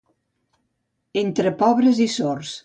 Entre pobres i sords.